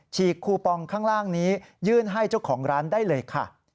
ฉีปองข้างล่างนี้ยื่นให้เจ้าของร้านได้เลยค่ะ